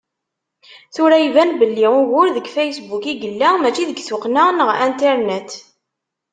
Tura iban belli ugur deg Facebook i yella, mačči deg tuqqna ɣer Internet.